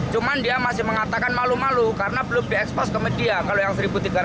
cuma dia masih mengatakan malu malu karena belum diekspos ke media kalau yang satu tiga ratus